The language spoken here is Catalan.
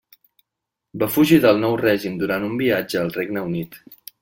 Va fugir del nou règim durant un viatge al Regne Unit.